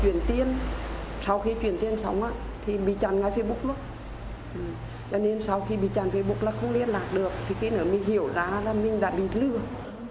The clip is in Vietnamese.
tuy nhiên sau khi chuyển hơn bốn mươi triệu đồng cho đối tượng để thanh toán tiền vé thì đối tượng đã chặn facebook và không liên lạc được